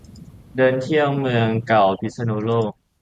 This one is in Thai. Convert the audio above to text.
เดินเที่ยวเมืองเก่าพิษณุโลก